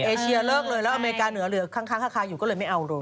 เอเชียเลิกเลยแล้วอเมริกาเหนือเหลือค้างคาอยู่ก็เลยไม่เอาเลย